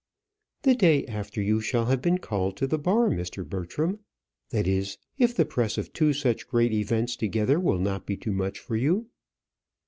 "The day after you shall have been called to the bar, Mr. Bertram. That is, if the press of two such great events together will not be too much for you."